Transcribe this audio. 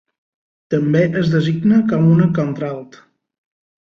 També es designa com una contralt.